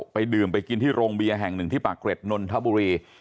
ไปดื่มไปกินที่โรงเบียร์แห่งหนึ่งที่ปากเกร็ดนนทบุรี